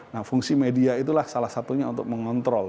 nah fungsi media itulah salah satunya untuk mengontrol